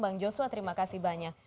bang joshua terima kasih banyak